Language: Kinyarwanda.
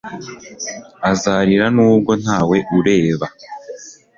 Azarira nubwo ntawe ureba